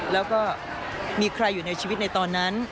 แล้วก็มีใครอยู่ในชีวิตในตอนนั้น